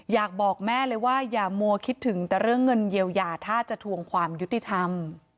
อยากบอกแม่เลยว่าอย่ามัวคิดถึงแต่เรื่องเงินเยียวยาถ้าจะทวงความยุติธรรม